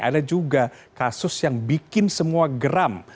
ada juga kasus yang bikin semua geram